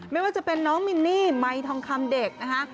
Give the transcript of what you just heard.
ไม่ว่าจะเป็นน้องมินนี่ไมค์ทองคำเด็กนะคะ